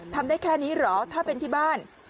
ทำได้แค่นี้เหรอถ้าเป็นที่บ้าน